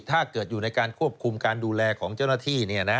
ถ้าเกิดอยู่ในการควบคุมการดูแลของเจ้าหน้าที่